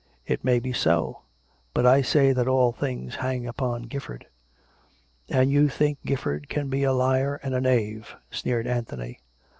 It may be so. But I say that all hangs upon Gifford." " And you think Gifford can be a liar and a knave !" sneered Anthony.